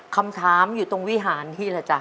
คำถามอยู่ตรงวิหารนี่แหละจ้